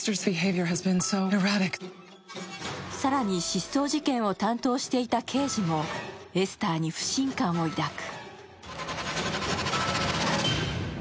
更に、失踪事件を担当していた刑事もエスターに不信感を抱く。